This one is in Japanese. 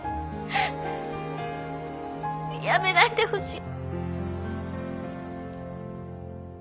やめないでほしい。